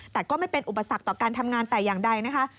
แต่ก็ไม่เป็นอุปสรรคต่อการทำงานแต่อย่างใดนะคะ